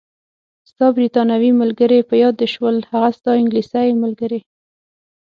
ستا بریتانوي ملګرې، په یاد دې شول؟ هغه ستا انګلیسۍ ملګرې.